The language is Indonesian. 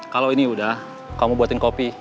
kalau ini udah kamu buatin kopi